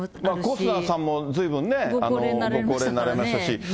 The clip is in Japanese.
コスナーさんもずいぶんね、ご高齢になられましたからね。